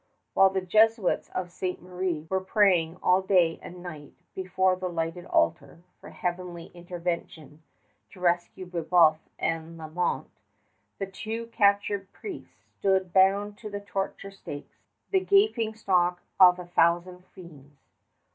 While the Jesuits of Ste. Marie were praying all day and night before the lighted altar for heavenly intervention to rescue Brébeuf and Lalemant, the two captured priests stood bound to the torture stakes, the gapingstock of a thousand fiends.